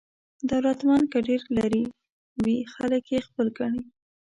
دولتمند که ډېر لرې وي خلک یې خپل ګڼي.